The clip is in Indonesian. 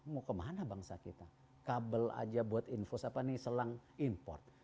mau kemana bangsa kita kabel saja buat infos apa ini selang import